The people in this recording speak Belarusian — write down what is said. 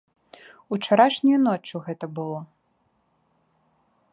Учарашняю ноччу гэта было.